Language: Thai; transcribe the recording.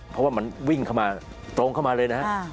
เพราะว่ามันวิ่งเข้ามาตรงเข้ามาเลยนะฮะ